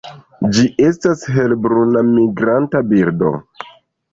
Ĝi estas helbruna migranta birdo.